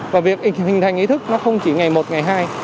và việc hình thành ý thức nó không chỉ ngày một ngày hai